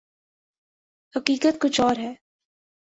حقیقت کچھ اور ہے۔